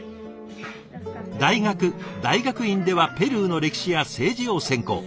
大学大学院ではペルーの歴史や政治を専攻。